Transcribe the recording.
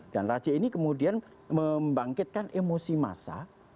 dan raja ini kemudian membangkitkan emosi masa